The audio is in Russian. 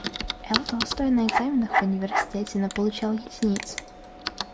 Л.Толстой на экзаменах в университете наполучал единиц.